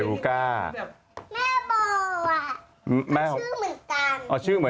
อ๋อหน้าแม่โบเหมือนเบเบ